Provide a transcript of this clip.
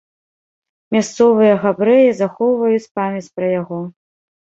Мясцовыя габрэі захоўваюць памяць пра яго.